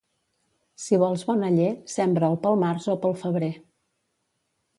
Si vols bon aller sembra'l pel març o pel febrer.